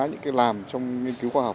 những cái làm trong nghiên cứu khoa học